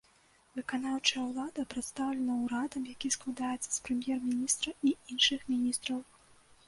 Выканаўчая ўлада прадстаўлена урадам, які складаецца з прэм'ер-міністра і іншых міністраў.